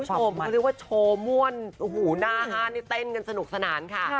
เขาเรียกว่าโชว์ม่วนโอ้โหหน้าห้านนี่เต้นกันสนุกสนานค่ะ